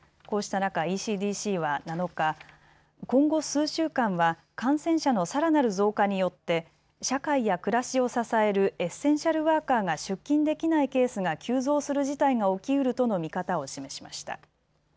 こうした中、ＥＣＤＣは７日、今後数週間は感染者のさらなる増加によって社会や暮らしを支えるエッセンシャルワーカーが出勤できないケースが急増する事態が起きうるとの見方を示しました。